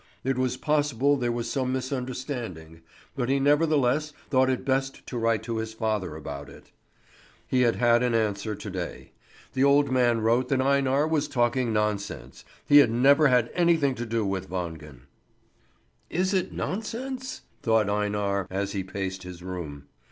It was possible there was some misunderstanding, but he nevertheless thought it best to write to his father about it. He had had an answer to day. The old man wrote that Einar was talking nonsense. He had never had anything to do with Wangen. "Is it nonsense!" thought Einar as he paced his room.